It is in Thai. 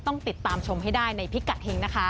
ต้องติดตามชมให้ได้ในพิกัดเฮงนะคะ